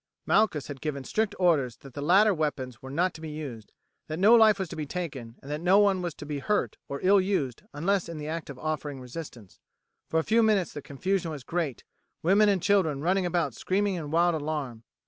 Malchus had given strict orders that the latter weapons were not to be used, that no life was to be taken, and that no one was to be hurt or ill used unless in the act of offering resistance. For a few minutes the confusion was great, women and children running about screaming in wild alarm.